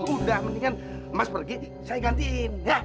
udah mendingan emas pergi saya gantiin